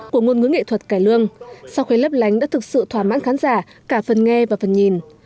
của ngôn ngữ nghệ thuật cải lương sau khi lớp lánh đã thực sự thoả mãn khán giả cả phần nghe và phần nhìn